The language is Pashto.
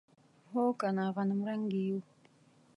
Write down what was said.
هو کنه غنمرنګي یو.